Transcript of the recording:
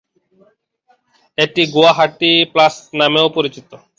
এটি গুয়াহাটি প্লাস নামেও পরিচিত।